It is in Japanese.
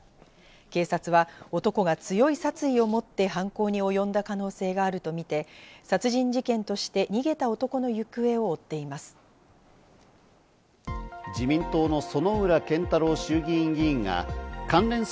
警察は男が強い殺意を持って犯行におよんだ可能性があるとみて殺人事件として逃げた男の行方を追っています。